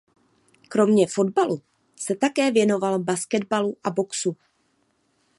Kromě fotbalu se také věnoval basketbalu a boxu.